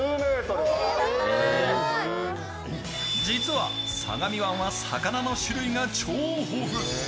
実は相模湾は魚の種類が超豊富。